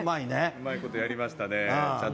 うまいことやりましたね。